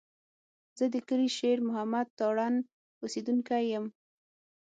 زه د کلي شېر محمد تارڼ اوسېدونکی یم.